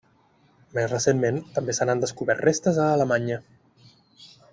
Més recentment, també se n'han descobert restes a Alemanya.